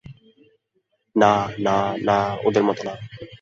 না না না, ওদের মতো না।